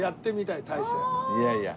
いやいや。